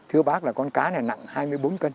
thưa bác là con cá này nặng hai mươi bốn cân